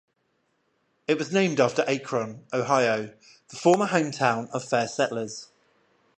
It was named after Akron, Ohio, the former hometown of first settlers.